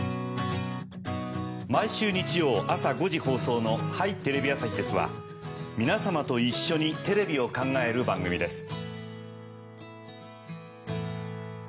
「毎週日曜あさ５時放送の『はい！テレビ朝日です』は皆さまと一緒にテレビを考える番組です」